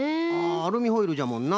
アルミホイルじゃもんな